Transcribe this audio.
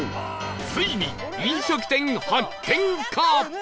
ついに飲食店発見か？